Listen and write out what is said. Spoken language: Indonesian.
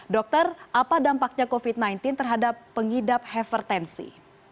dokter apa dampaknya covid sembilan belas terhadap pengidap hipertensi